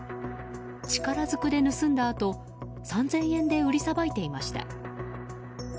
力ずくで盗んだあと３０００円で売りさばいていました。